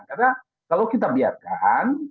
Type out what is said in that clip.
karena kalau kita biarkan